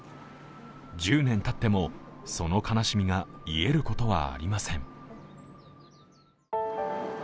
１０年たっても、その悲しみが癒えることはありません。